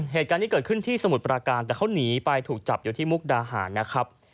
เหตุการณ์นี้เกิดขึ้นที่สมุทรปราการแต่เขาหนีไปถูกจับอยู่ที่มุกดาหารนะครับ